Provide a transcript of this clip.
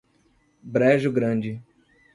Brejo Grande